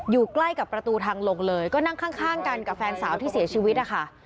อยู่ใกล้กับประตูทางลงเลยก็นั่งข้างกันกับแฟนสาวที่เสียชีวิตนะคะ